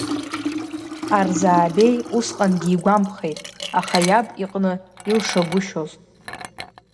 Арзаабеи усҟангьы игәамԥхеит, аха иаб иҟны илшагәышьоз.